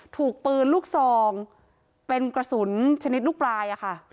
ถูกปืนลูกซองเป็นกระสุนชนิดลูกปลายอะค่ะ